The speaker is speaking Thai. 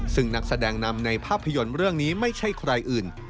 ซึ่งนักแสดงนำในภาพยนตร์เรื่องนี้ไม่ใช่ใครอื่น